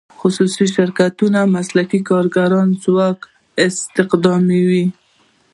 خصوصي شرکتونه مسلکي کارګري ځواک استخداموي.